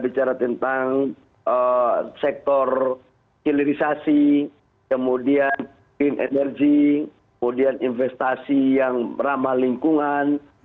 bicara tentang sektor hilirisasi kemudian green energy kemudian investasi yang ramah lingkungan